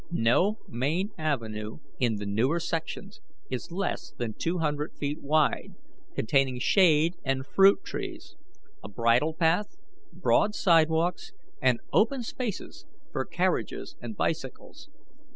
No main avenue in the newer sections is less than two hundred feet wide, containing shade and fruit trees, a bridle path, broad sidewalks, and open spaces for carriages and bicycles.